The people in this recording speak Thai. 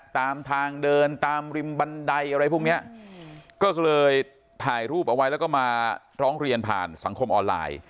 ตามทางเดินตามริมบันไดอะไรพวกเนี้ยก็เลยถ่ายรูปเอาไว้แล้วก็มาร้องเรียนผ่านสังคมออนไลน์